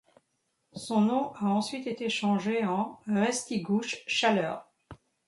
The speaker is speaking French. Son nom a ensuite été changé en Restigouche—Chaleur.